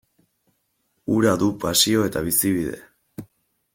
Hura du pasio eta bizibide.